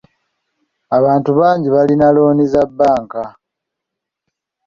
Abantu bangi balina looni za bbanka.